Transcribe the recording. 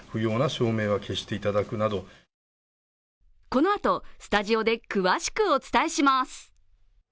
このあとスタジオで詳しくお伝えします。